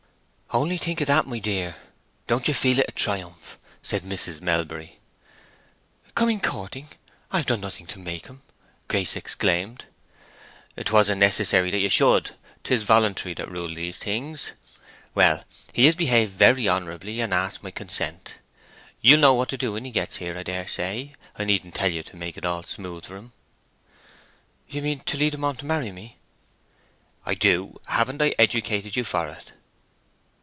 "Only think of that, my dear! Don't you feel it a triumph?" said Mrs. Melbury. "Coming courting! I've done nothing to make him," Grace exclaimed. "'Twasn't necessary that you should, 'Tis voluntary that rules in these things....Well, he has behaved very honorably, and asked my consent. You'll know what to do when he gets here, I dare say. I needn't tell you to make it all smooth for him." "You mean, to lead him on to marry me?" "I do. Haven't I educated you for it?"